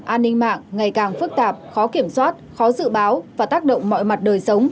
an ninh mạng ngày càng phức tạp khó kiểm soát khó dự báo và tác động mọi mặt đời sống